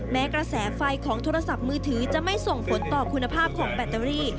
แม้กระแสไฟของโทรศัพท์มือถือจะไม่ส่งผลต่อคุณภาพของแบตเตอรี่